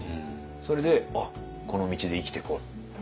それで「あっこの道で生きてこう」って。